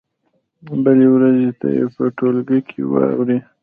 بلې ورځې ته یې په ټولګي کې واورئ.